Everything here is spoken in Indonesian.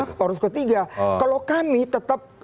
poros ketiga kalau kami tetap